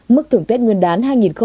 mức thưởng tết ngân đán